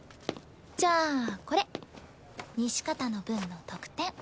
じゃあこれ西片の分の特典。